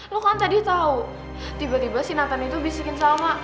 lo kan tadi tau tiba tiba si nathan itu bisikin salma